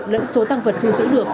lẫn số tăng vật thu giữ được